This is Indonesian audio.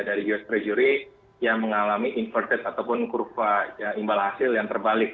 dari us treasury yang mengalami inverted ataupun kurva imbal hasil yang terbalik